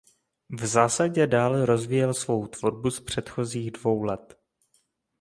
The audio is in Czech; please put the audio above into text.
V zásadě dále rozvíjel svou tvorbu z předchozích dvou let.